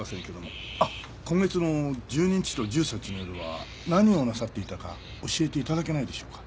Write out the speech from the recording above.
あっ今月の１２日と１３日の夜は何をなさっていたか教えて頂けないでしょうか？